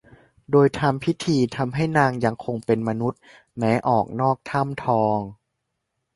โดยทำพิธีทำให้นางยังคงเป็มมนุษย์แม้ออกนอกถ้ำทอง